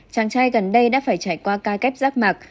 chàng trai gần đây đã phải trải qua ca ghép rác mạc